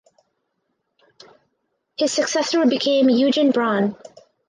His successor became Eugen Braun.